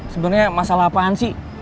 sebenernya masalah apaan sih